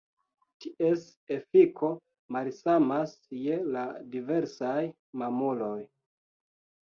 Ties efiko malsamas je la diversaj mamuloj.